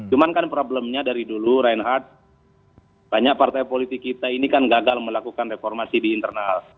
cuman kan problemnya dari dulu reinhardt banyak partai politik kita ini kan gagal melakukan reformasi di internal